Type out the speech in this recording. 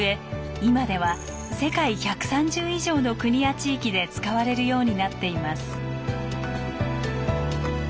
今では世界１３０以上の国や地域で使われるようになっています。